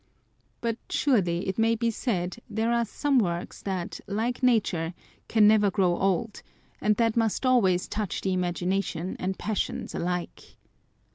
But surely, it may be said, there are some works that, like nature, can never grow old ; and that must always touch the imagination and passions alike